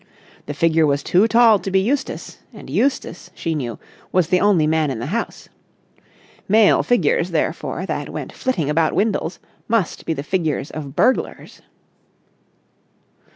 The figure was too tall to be Eustace, and Eustace, she knew, was the only man in the house. Male figures, therefore, that went flitting about Windles, must be the figures of burglars.